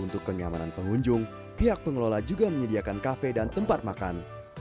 untuk kenyamanan pengunjung pihak pengelola juga menyediakan kafe dan tempat makan